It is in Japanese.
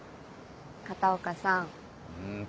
片岡さん。